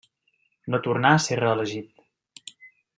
No tornà a ser reelegit.